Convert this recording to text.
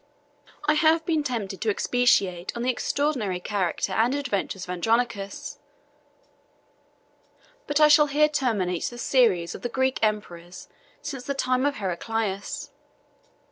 ] I have been tempted to expatiate on the extraordinary character and adventures of Andronicus; but I shall here terminate the series of the Greek emperors since the time of Heraclius.